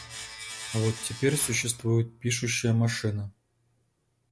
Вот теперь существует пишущая машина.